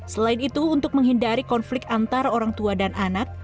selain itu untuk menghindari konflik antara orang tua dan anak